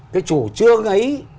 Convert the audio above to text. cái chủ trương ấy